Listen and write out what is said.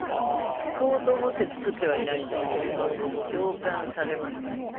救おうと思って作ってはいないんですけれど共感されますね。